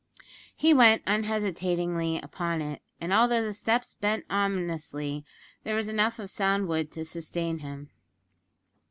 He went unhesitatingly upon it, and although the steps bent ominously, there was enough of sound wood to sustain him.